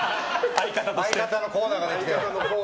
相方のコーナーができて。